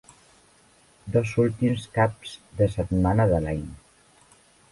Dos últims caps de setmana de l'any.